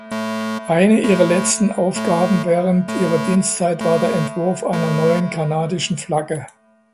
Eine ihrer letzten Aufgaben während ihrer Dienstzeit war der Entwurf einer neuen kanadischen Flagge.